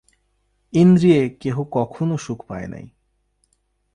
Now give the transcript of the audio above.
ইন্দ্রিয়ে কেহ কখনও সুখ পায় নাই।